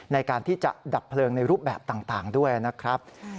ในการที่จะดับเพลิงในรูปแบบต่างด้วยนะครับ